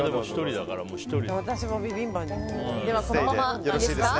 私もビビンバに。